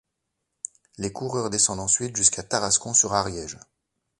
Les coureurs descendent ensuite jusqu'à Tarascon-sur-Ariège.